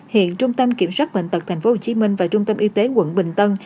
hiện trung tâm kiểm soát bệnh tật tp hcm và trung tâm y tế quận bình tân